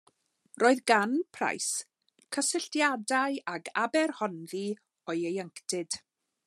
Roedd gan Price cysylltiadau ag Aberhonddu o'i ieuenctid.